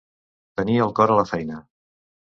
Tenir el cor a la feina.